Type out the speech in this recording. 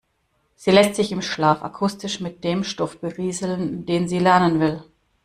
Sie lässt sich im Schlaf akustisch mit dem Stoff berieseln, den sie lernen will.